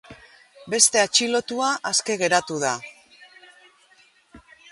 Beste atxilotua aske geratu da.